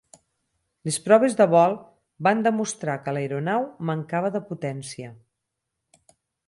Les proves de vol van demostrar que l'aeronau mancava de potència.